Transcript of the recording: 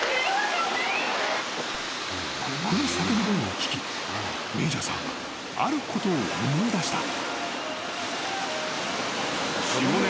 ［この叫び声を聞きメイジャーさんはあることを思い出した］